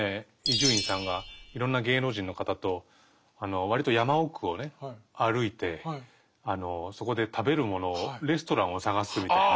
伊集院さんがいろんな芸能人の方と割と山奥をね歩いてそこで食べるものをレストランを探すみたいな。